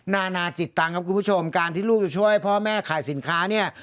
นานาจิตตังค์ครับคุณผู้ชมการที่ลูกจะช่วยพ่อแม่ขายสินค้าเนี่ย